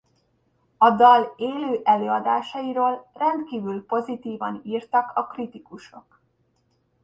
A dal élő előadásairól rendkívül pozitívan írtak a kritikusok.